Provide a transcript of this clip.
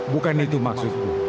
bukan itu maksudku